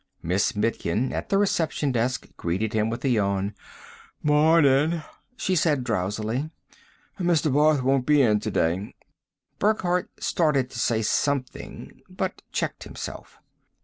Miss Mitkin, at the reception desk, greeted him with a yawn. "Morning," she said drowsily. "Mr. Barth won't be in today." Burckhardt started to say something, but checked himself.